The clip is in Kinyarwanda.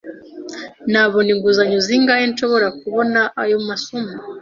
Nabona inguzanyo zingahe nshobora kubona aya masomo?